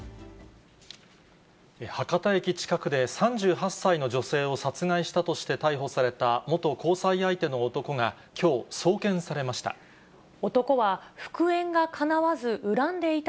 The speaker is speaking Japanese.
博多駅近くで３８歳の女性を殺害したとして逮捕された元交際相手の男が、きょう、送検されました。